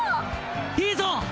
いいぞ！